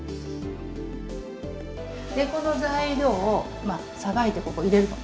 でこの材料をさばいてここ入れるの。